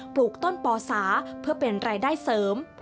ปลูกต้นปอสาเพื่อเป็นรายได้เสริม